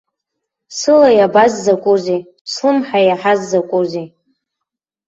Сыла иабаз закәыузеи, слымҳа иаҳаз закәузеи!